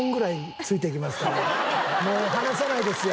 もう離さないですよ。